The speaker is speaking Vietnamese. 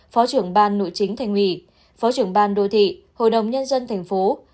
phó trưởng ban nội chính thành ủy phó trưởng ban đô thị hội đồng nhân dân thành phố